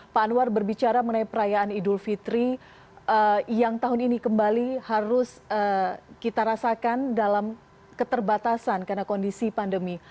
pak anwar berbicara mengenai perayaan idul fitri yang tahun ini kembali harus kita rasakan dalam keterbatasan karena kondisi pandemi